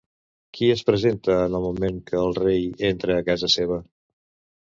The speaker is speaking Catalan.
Qui es presenta en el moment que el rei entra a casa seva?